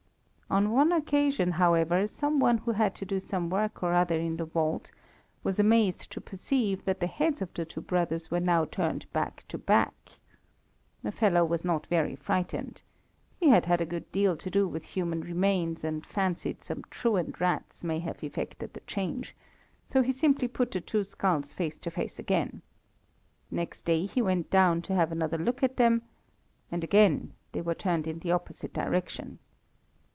On one occasion, however, some one who had to do some work or other in the vault, was amazed to perceive that the heads of the two brothers were now turned back to back. The fellow was not very frightened. He had had a good deal to do with human remains, and fancied some truant rats might have effected the change, so he simply put the two skulls face to face again. Next day he went down to have another look at them, and again they were turned in the opposite direction.